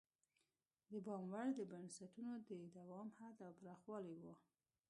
د پام وړ د بنسټونو د دوام حد او پراخوالی وو.